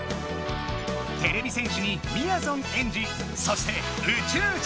てれび戦士にみやぞんエンジそして宇宙人。